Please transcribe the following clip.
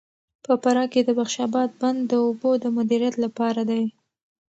په فراه کې د بخش اباد بند د اوبو د مدیریت لپاره دی.